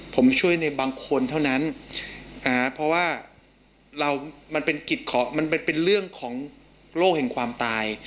ผมช่วยในบางคนเท่านั้นเพราะว่ามันเป็นเรื่องของโลกแห่งความตาย